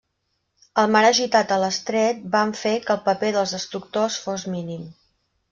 El mar agitat a l'Estret van fer que el paper dels destructors fos mínim.